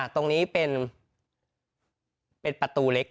ตรงนี้เป็นประตูเล็ก